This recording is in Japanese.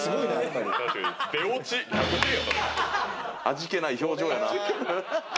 味気ない表情やな。